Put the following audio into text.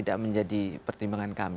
tidak menjadi pertimbangan kami